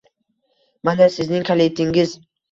Mana sizning kalitingiz.